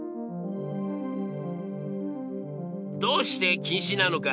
どうして禁止なのか？